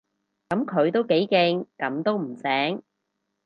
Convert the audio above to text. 噉佢都幾勁，噉都唔醒